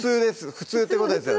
普通ってことですよね